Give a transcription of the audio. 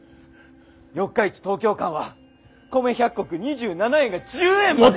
四日市東京間は米１００石２７円が１０円まで。